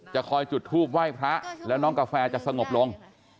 คอยจุดทูปไหว้พระแล้วน้องกาแฟจะสงบลง